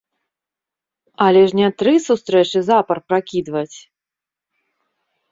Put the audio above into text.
Але ж не тры сустрэчы запар пракідваць!